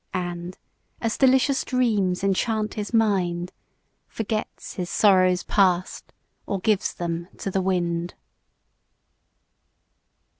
And, as delicious dreams enchant his mind, Forgets his sorrows past, or gives them to the wind.